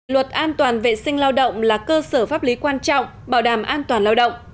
luật an toàn vệ sinh lao động là cơ sở pháp lý quan trọng bảo đảm an toàn lao động